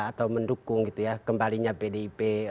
atau mendukung kembalinya bdip